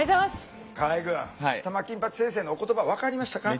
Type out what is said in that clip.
河合くん玉金八先生のお言葉分かりましたか？